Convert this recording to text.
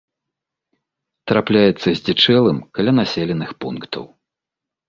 Трапляецца здзічэлым каля населеных пунктаў.